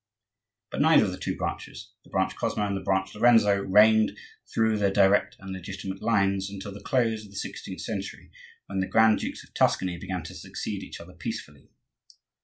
But neither of the two branches—the branch Cosmo and the branch Lorenzo—reigned through their direct and legitimate lines until the close of the sixteenth century, when the grand dukes of Tuscany began to succeed each other peacefully.